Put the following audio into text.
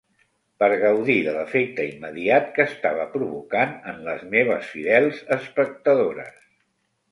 Per gaudir de l'efecte immediat que estava provocant en les meves fidels espectadores.